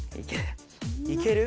いける？